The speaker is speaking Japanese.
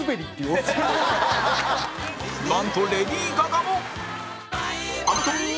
なんとレディー・ガガも！